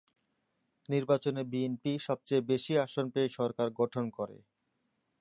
নির্বাচনে বিএনপি সবচেয়ে বেশি আসন পেয়ে সরকার গঠন করে।